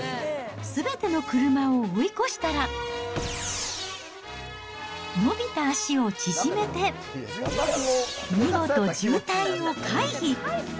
すべての車を追い越したら、伸びた足を縮めて、見事、渋滞を回避。